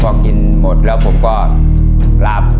พอกินหมดแล้วผมก็รับ